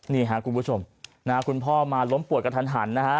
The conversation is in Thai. นี่ค่ะคุณผู้ชมคุณพ่อมาล้มปวดกันทัน